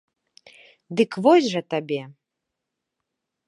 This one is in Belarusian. Дык вось жа табе!